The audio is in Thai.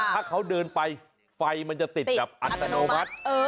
ถ้าเขาเดินไปไฟมันจะติดแบบอัตโนมัติ